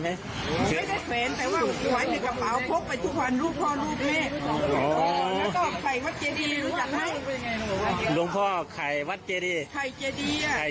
ไข่เจดี